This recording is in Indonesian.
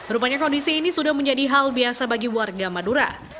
rupanya kondisi ini sudah menjadi hal biasa bagi warga madura